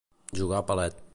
Jugar a palet.